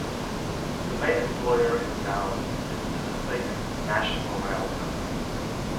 The main employer in the town is Pacific National rail company.